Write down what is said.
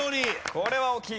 これは大きい。